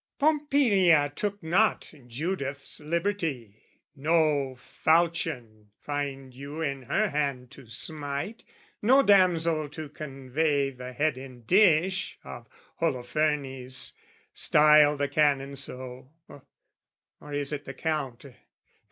Pompilia took not Judith's liberty, No faulchion find you in her hand to smite, No damsel to convey the head in dish, Of Holophernes, style the Canon so Or is it the Count?